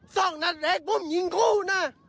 สองนัดแรกผมยิงคู่นะ